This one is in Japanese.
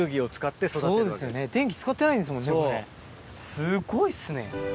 すごいっすね。